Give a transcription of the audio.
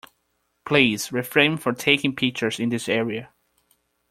Please refrain from taking pictures in this area.